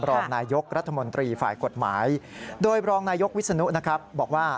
รองนายยกรัฐมนตรีฝ่ายกฎหมายโดยรองนายกวิศนุนะครับบอกว่า